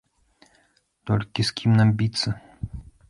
Толькі з кім нам біцца?